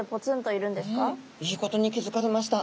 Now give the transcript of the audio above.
いいことに気付かれました。